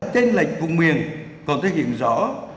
trên lệch vùng miền còn thể hiện rõ